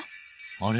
あれ？